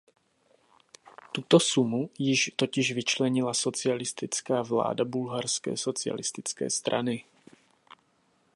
Tuto sumu jim totiž vyčlenila socialistická vláda Bulharské socialistické strany.